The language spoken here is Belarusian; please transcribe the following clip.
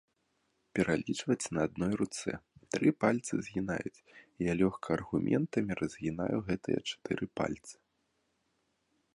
Пералічваць на адной руцэ, тры пальцы згінаюць, я лёгка аргументамі разгінаю гэтыя чатыры пальцы.